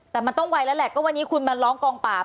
แต่มันต้องไวแล้วแหละก็วันนี้คุณมาร้องกองปราบ